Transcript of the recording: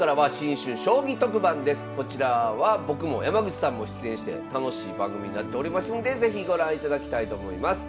こちらは僕も山口さんも出演して楽しい番組になっておりますんで是非ご覧いただきたいと思います。